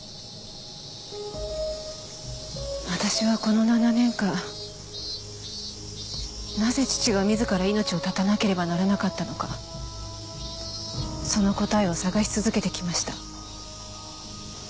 私はこの７年間なぜ父が自ら命を絶たなければならなかったのかその答えを探し続けてきました。